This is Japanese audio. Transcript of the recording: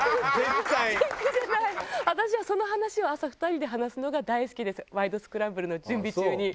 私はその話を朝２人で話すのが大好きです『ワイド！スクランブル』の準備中に。